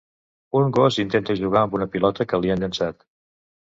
Un gos intenta jugar amb una pilota que li han llençat